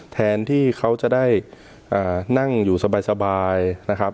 แทนที่เขาจะได้นั่งอยู่สบายนะครับ